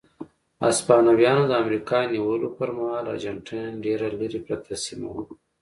هسپانویانو د امریکا نیولو پر مهال ارجنټاین ډېره لرې پرته سیمه وه.